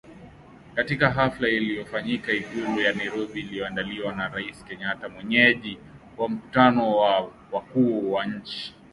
Katika hafla iliyofanyika Ikulu ya Nairobi iliyoandaliwa na Rais Kenyatta mwenyeji wa mkutano wa wakuu wa nchi za Jumuiya ya Afrika Mashariki